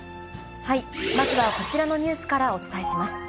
まずはこちらのニュースからお伝えします。